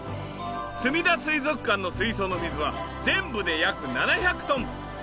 すみだ水族館の水槽の水は全部で約７００トン。